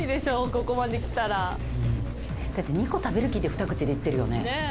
ここまできたらだって２個食べる気で二口でいってるよね